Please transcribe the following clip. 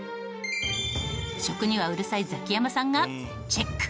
食にはうるさいザキヤマさんがチェック。